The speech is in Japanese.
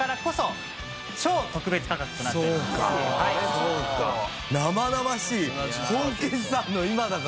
そうか。